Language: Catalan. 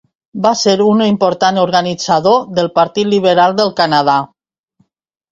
Va ser un important organitzador del Partit Liberal del Canadà.